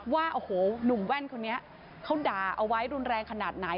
ว่าโอ้โหหนุ่มแว่นคนนี้เขาด่าเอาไว้รุนแรงขนาดไหน